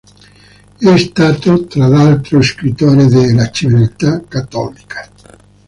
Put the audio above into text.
È stato, tra l'altro, scrittore de "La Civiltà Cattolica".